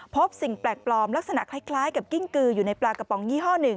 พบสิ่งแปลกปลอมลักษณะคล้ายกับกิ้งกืออยู่ในปลากระป๋องยี่ห้อหนึ่ง